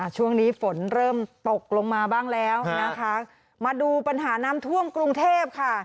ช่วงนี้ฝนเริ่มตกลงมาบ้างแล้วนะคะมาดูปัญหาน้ำท่วมกรุงเทพค่ะ